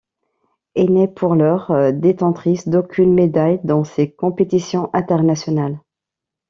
Elle n'est pour l'heure détentrice d'aucune médaille dans ces compétitions internationales.